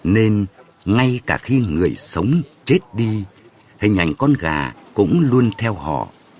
nên ngay cả khi người sống chết đi hình ảnh con gà cũng luôn theo họ